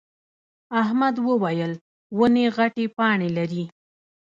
احمد وويل: ونې غتې پاڼې لري.